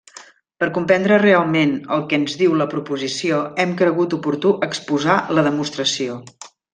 Per comprendre realment el que ens diu la proposició hem cregut oportú exposar la demostració.